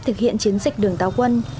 thực hiện chiến dịch đường táo quân